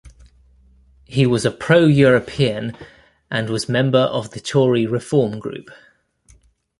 He was a pro-European, and was member of the Tory Reform Group.